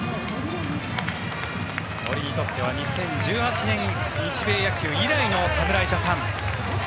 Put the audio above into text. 森にとっては２０１８年、日米野球以来の侍ジャパン。